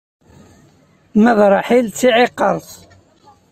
Ma d Ṛaḥil, d tiɛiqert.